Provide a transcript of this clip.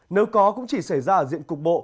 nếu có cũng chỉ xảy ra ở diện cục bộ